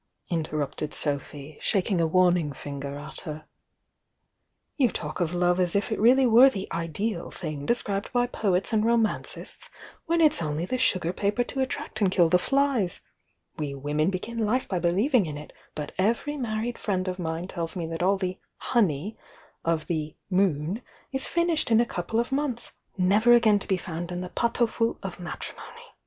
interrupted Sophy, shaking a warning finger at her — "you talk of love as if it really were the 'ideal' thing described by poets and romancists, when it's only the sugar paper to at tract and kill the flies! We women begin life by believing in It; but every married friend of mine tells me that all the 'honey' of the 'moon' is finished in a couple of months, never again to be found in the pot au feu of matrimony!